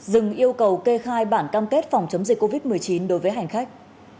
dừng yêu cầu kê khai bản cam kết phòng chống dịch covid một mươi chín đối với hành khách